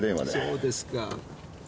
そうですか。